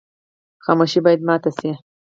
خاموشي باید ماته شي.